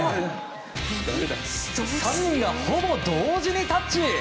３人がほぼ同時にタッチ。